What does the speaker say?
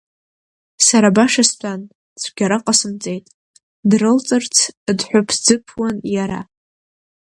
Сара баша стәан, цәгьара ҟасымҵеит, дрылҵырц дҳәыԥӡыԥуан иара.